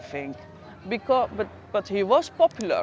tapi dia terlihat populer